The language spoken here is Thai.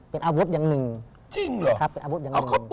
เป็นอาวุธอย่างหนึ่งชาวร้านาครับเป็นอาวุธอย่างหนึ่งจริงเหรอ